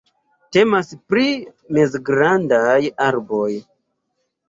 Temas pri mezgrandaj arboj.